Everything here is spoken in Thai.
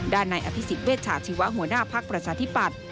ด้านนายอภิษฐ์เวชชาธิวะหัวหน้าภักดิ์ประชาธิบัตร